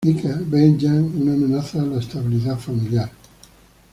Mika ve en Jeanne una amenaza a la estabilidad familiar.